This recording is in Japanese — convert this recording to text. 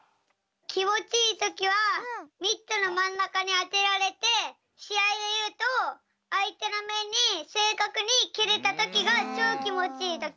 きもちいいときはミットのまんなかにあてられてしあいでいうとあいてのめんにせいかくにけれたときがチョーきもちいいとき。